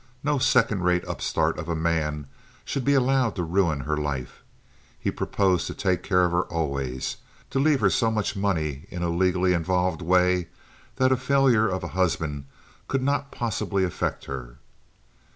No second rate upstart of a man should be allowed to ruin her life. He proposed to take care of her always—to leave her so much money in a legally involved way that a failure of a husband could not possibly affect her.